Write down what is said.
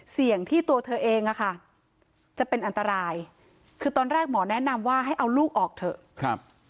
เสี่ยงที่ตัวเธอเองอะค่ะจะเป็นอันตรายคือตอนแรกหมอแนะนำว่าให้เอาลูกออกเถอะครับ